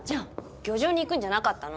漁場に行くんじゃなかったの？